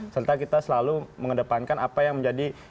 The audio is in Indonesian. serta kita selalu mengedepankan apa yang menjadi